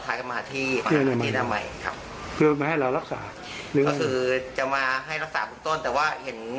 แต่ว่าเห็น